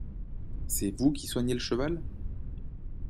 C’est vous qui soignez le cheval ?